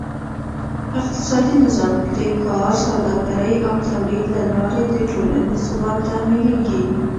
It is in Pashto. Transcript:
اقتصادي نظام: د کار، سوداګرۍ او تولید له لارې د ټولنې ثبات تأمینېږي.